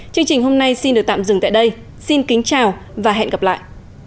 chương trình hôm nay xin được tạm dừng tại đây xin kính chào và hẹn gặp lại